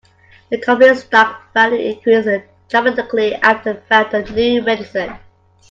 The company's stock value increased dramatically after they found a new medicine.